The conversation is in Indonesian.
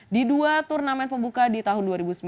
di dua turnamen pembuka di tahun dua ribu sembilan belas